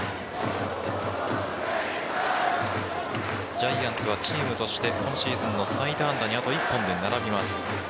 ジャイアンツはチームとして今シーズンの最多安打にあと１本で並びます。